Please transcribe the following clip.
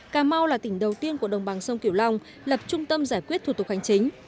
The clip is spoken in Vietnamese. cà mau là tỉnh đầu tiên của đồng bằng sông kiểu long lập trung tâm giải quyết thủ tục hành chính